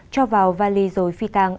cho vào vali dồi phi tăng